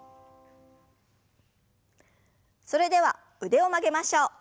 それでは腕を曲げましょう。